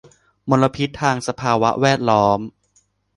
มลพิษทางสภาวะแวดล้อม